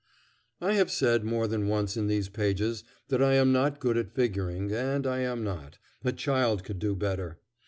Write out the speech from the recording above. I have said more than once in these pages that I am not good at figuring, and I am not; a child could do better.